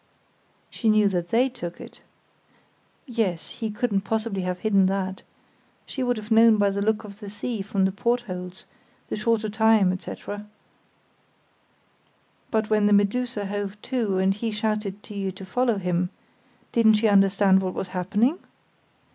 "She knew that they took it?" "Yes. He couldn't possibly have hidden that. She would have known by the look of the sea from the portholes, the shorter time, etc." "But when the Medusa hove to and he shouted to you to follow him—didn't she understand what was happening?"